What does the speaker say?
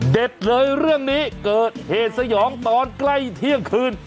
เลยเรื่องนี้เกิดเหตุสยองตอนใกล้เที่ยงคืน